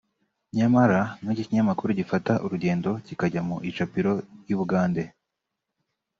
nyamara nk’iki kinyamakuru gifata urugendo kikajya mu icapiro ry’i Bugande